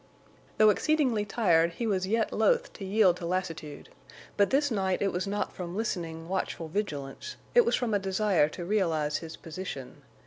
Though exceedingly tired, he was yet loath to yield to lassitude, but this night it was not from listening, watchful vigilance; it was from a desire to realize his position.